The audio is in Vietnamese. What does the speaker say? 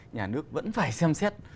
nhà nước vẫn phải xem xét